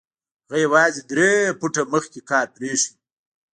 هغه يوازې درې فوټه مخکې کار پرېښی و.